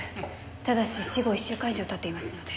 ただし死後一週間以上経っていますので。